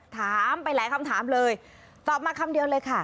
ถามไปหลายคำถามเลยตอบมาคำเดียวเลยค่ะ